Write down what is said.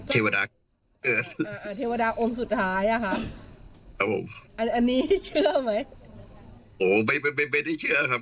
เทวดาอ่าเทวดาองค์สุดท้ายอ่ะค่ะครับผมอันนี้เชื่อไหมโอ้ไม่ไม่ไม่ได้เชื่อครับ